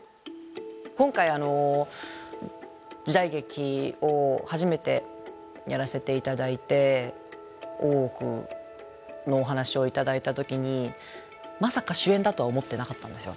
今回時代劇を初めてやらせて頂いて「大奥」のお話を頂いた時にまさか主演だとは思ってなかったんですよ